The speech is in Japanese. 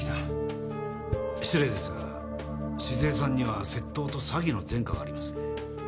失礼ですが静江さんには窃盗と詐欺の前科がありますね？